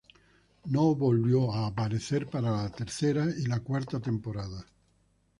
No volvió a aparecer para la tercera y la cuarta temporada.